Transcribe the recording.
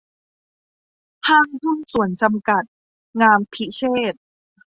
ห้างหุ้นส่วนจำกัด งามพิเชษฐ์